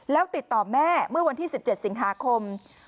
แล้วติดต่อแม่เมื่อวันที่๑๗สิงหาคม